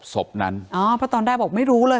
ศพนั้นอ๋อเพราะตอนแรกบอกไม่รู้เลย